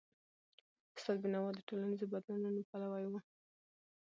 استاد بینوا د ټولنیزو بدلونونو پلوی و.